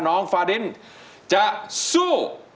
น้องฟาดิ้นจะสู้